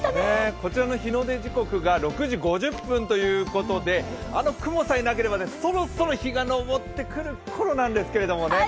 こちらの日の出時刻が６時５０分ということで、あの雲さえなければ、そろそろ日が昇ってくる頃なんですけどね。